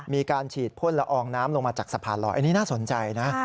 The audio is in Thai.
มีการฉีดพ่นละอองน้ำลงมาจากสะพานลอยอันนี้น่าสนใจนะ